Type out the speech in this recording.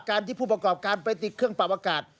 ที่ผู้ประกอบการไปติดเครื่องปรับอากาศ